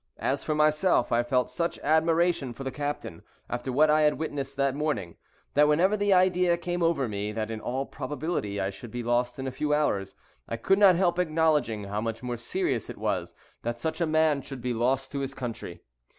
As for myself, I felt such admiration for the captain, after what I had witnessed that morning, that, whenever the idea came over me, that in all probability I should be lost in a few hours, I could not help acknowledging how much more serious it was that such a man should be lost to his country.